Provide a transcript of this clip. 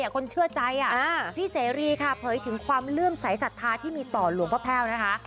คนเชื่อใจพี่เสรีค่ะเผยถึงความเลื่อมสายศรัทธาที่มีต่อหลวงพ่อแพ่วนะคะ